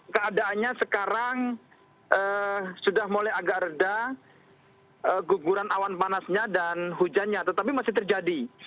keadaannya sekarang sudah mulai agak reda guguran awan panasnya dan hujannya tetapi masih terjadi